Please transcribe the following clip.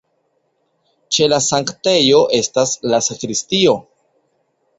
Ĉe la sanktejo estas la sakristio.